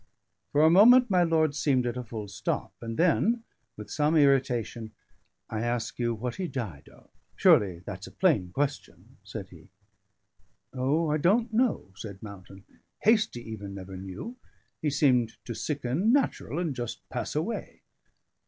For a moment my lord seemed at a full stop; and then, with some irritation, "I ask you what he died of. Surely that's a plain question," said he. "O! I don't know," said Mountain. "Hastie even never knew. He seemed to sicken natural, and just pass away."